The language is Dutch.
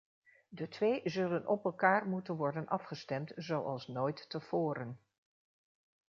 De twee zullen op elkaar moeten worden afgestemd zoals nooit tevoren.